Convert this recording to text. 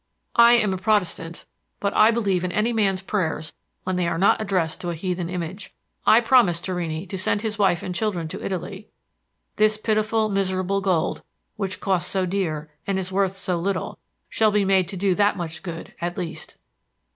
I am a Protestant, but I believe in any man's prayers when they are not addressed to a heathen image. I promised Torrini to send his wife and children to Italy. This pitiful, miserable gold, which cost so dear and is worth so little, shall be made to do that much good, at least."